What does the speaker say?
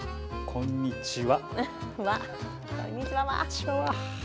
こんにちは。